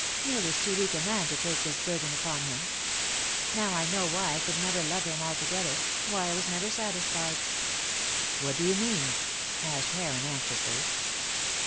"Neil is too weak a man to take this burden upon him. Now I know why I could never love him altogether, why I was never satisfied." "What do you mean?" asked Heron, anxiously.